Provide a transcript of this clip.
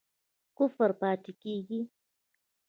کفر پاتی کیږي؟